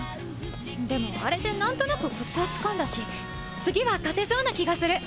でもアレで何となくコツはつかんだし次は勝てそうな気がする！